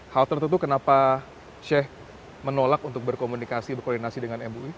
hal tertentu kenapa sheikh menolak untuk berkomunikasi berkoordinasi dengan mui